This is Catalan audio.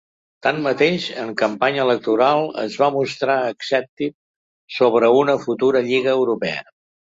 Tanmateix, en campanya electoral es va mostrar escèptic sobre una futura lliga europea.